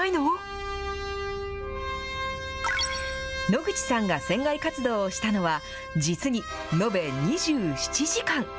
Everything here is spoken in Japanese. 野口さんが船外活動をしたのは、実に延べ２７時間。